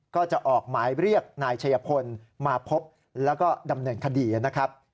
ก็จะออกหมายเรียกนายชัยพลมาพบแล้วก็ดำเนินคดีนะครับ